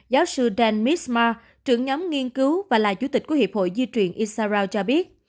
giáo sư dan mismar trưởng nhóm nghiên cứu và là chủ tịch của hiệp hội di truyền israel cho biết